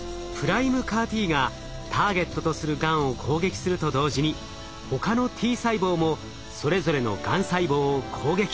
ＰＲＩＭＥＣＡＲ−Ｔがターゲットとするがんを攻撃すると同時に他のＴ細胞もそれぞれのがん細胞を攻撃。